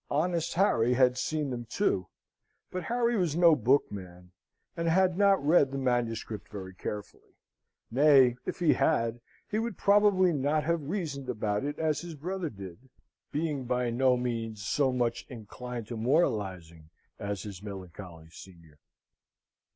Honest Harry had seen them, too, but Harry was no bookman, and had not read the manuscript very carefully: nay, if he had, he would probably not have reasoned about it as his brother did, being by no means so much inclined to moralising as his melancholy senior.